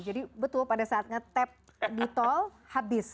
jadi betul pada saat ngetap di tol habis